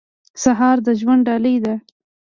سهار د ژوند ډالۍ ده.